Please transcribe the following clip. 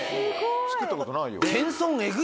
作ったことないよ。